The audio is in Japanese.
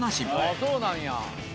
「ああそうなんや」